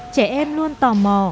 trẻ em luôn tò mò